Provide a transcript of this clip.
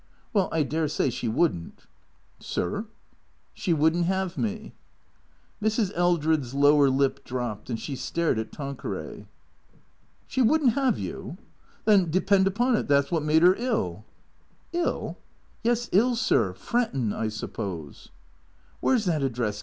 "AVell, I dare say she wouldn't." "Sir?" " She would n't have me." Mrs. Eldred's lower lip dropped, and she stared at Tan queray. " She would n't 'ave you ? Then, depend upon it, that 's wot made 'er ill." "HI?" " Yes, ill, sir. Frettin', I suppose." " Where 's that address?